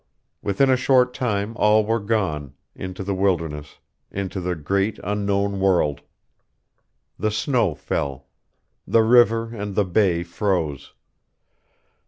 Within a short time all were gone, into the wilderness, into the great unknown world. The snow fell; the river and the bay froze.